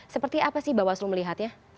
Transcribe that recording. seperti apa sih bapak suluh melihatnya